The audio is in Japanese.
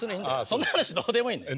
そんな話どうでもいいの。